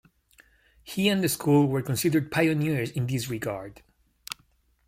He and the school were considered pioneers in this regard.